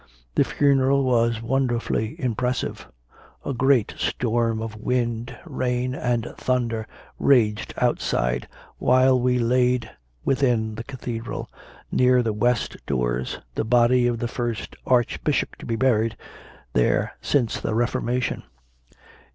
The funeral was wonder fully impressive. A great storm of wind, rain, and thunder raged outside while we laid within the Cathedral, near the west doors, the body of the first Archbishop to be buried there since the Reformation.